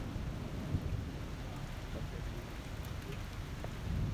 پسي تو ھي ھڻاوي